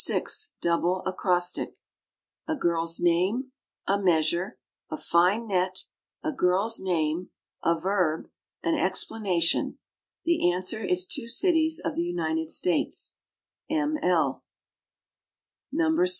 No. 6. DOUBLE ACROSTIC. A girl's name. A measure. A fine net. A girl's name. A verb. An explanation. The answer is two cities of the United States. M. L.